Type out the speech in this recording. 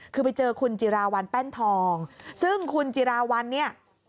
คือไปเจอคุณจิราวัลแป้นทองซึ่งคุณจิราวัลเนี่ย